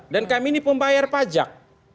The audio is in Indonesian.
dan kami ini pembayar pajak